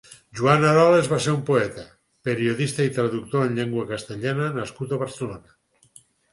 Juan Arolas va ser un poeta, periodista i traductor en llengua castellana nascut a Barcelona.